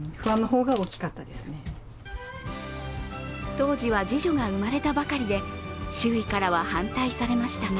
当時は次女が生まれたばかりで周囲からは反対されましたが